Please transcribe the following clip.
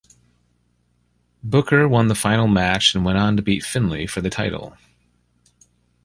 Booker won the final match and went on to beat Finlay for the title.